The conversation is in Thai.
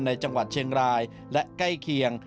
ในจังหวัดเชียงรายและใกล้เคียง